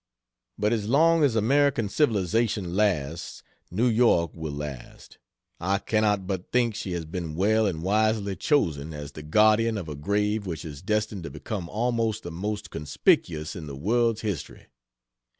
But as long as American civilisation lasts New York will last. I cannot but think she has been well and wisely chosen as the guardian of a grave which is destined to become almost the most conspicuous in the world's history.